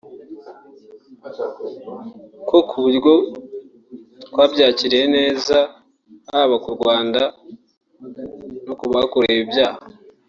ku buryo twabyakiriye neza haba ku Rwanda no ku bakorewe ibyaha